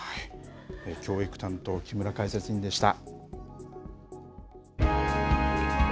教育担当、木村解説委員でした。